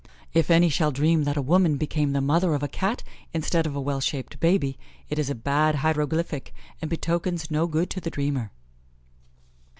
If any shall dream that a woman became the mother of a Cat instead of a well shaped baby, it is a bad hieroglyphic, and betokens no good to the dreamer.